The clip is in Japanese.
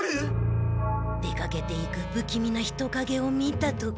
出かけていく不気味な人かげを見た時。